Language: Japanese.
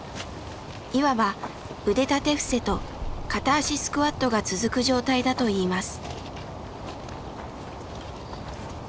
いわば腕立て伏せと片足スクワットが続く状態だといいます。